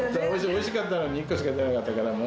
おいしかったのに１個しか出なかったから。